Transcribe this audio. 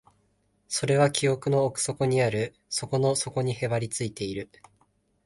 それは記憶の奥底にある、底の底にへばりついている